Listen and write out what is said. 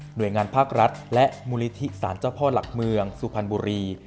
โดยงานภาครัฐและมูลนิธิสารเจ้าพ่อหลักเมืองสุพรรณบุรี